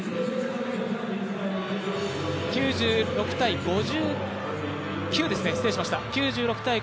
９６−５９ですね、失礼しました。